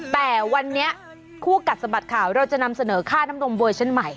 แต่วันนี้คู่กัดสะบัดข่าวเราจะนำเสนอค่าน้ำนมเวอร์ชั่นใหม่